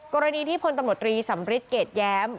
กรณีที่ผลตำรวจรีธวรรษเกษย้ำ